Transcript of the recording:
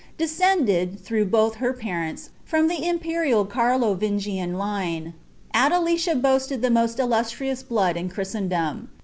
DMC«nded, through both her parenis, from (lie imperial Carlovingian line,' Adelida boasted tlie moat itluatrious blood in Chrisleudom.